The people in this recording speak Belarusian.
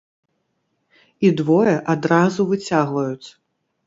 І двое адразу выцягваюць.